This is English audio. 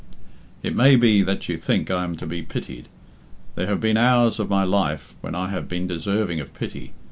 "It may be that you think I am to be pitied. There have been hours of my life when I have been deserving of pity.